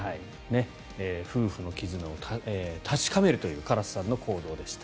夫婦の絆を確かめるというカラスさんの行動でした。